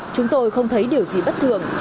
chúng tôi không thấy điều gì bất thường